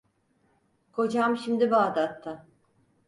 Kocam şimdi Bağdat'ta…